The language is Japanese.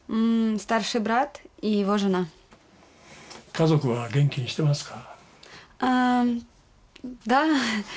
家族は元気にしてますか？